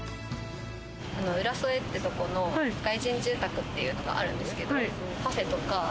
浦添ってところの外人住宅街っていうのがあるんですけど、パフェとか。